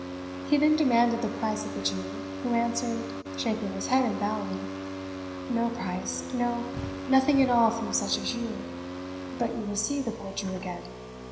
He then demanded the price of the Jew, who answered, shaking his head and bowing, "No price no, nothing at all from such as you. But you will see the poor Jew again?